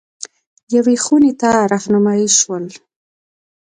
یوې خونې ته رهنمايي شول.